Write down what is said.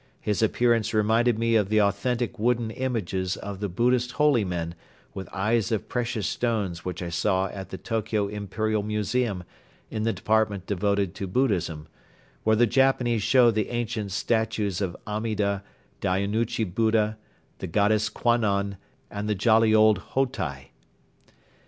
His appearance reminded me of the authentic wooden images of the Buddhist holymen with eyes of precious stones which I saw at the Tokyo Imperial Museum in the department devoted to Buddhism, where the Japanese show the ancient statues of Amida, Daunichi Buddha, the Goddess Kwannon and the jolly old Hotei.